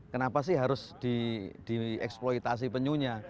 kenapa sih harus dieksploitasi penyunya